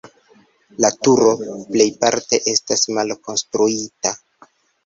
La turo plejparte estas malkonstruita.